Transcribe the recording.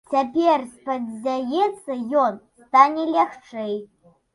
Цяпер, спадзяецца ён, стане лягчэй.